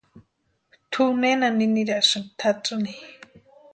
¿Tú nena ninirasïnki tʼatsïni?